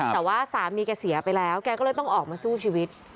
แต่ว่าสามีแกเสียไปแล้วแกก็เลยต้องออกมาสู้ชีวิต